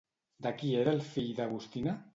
De qui era el fill d'Agustina?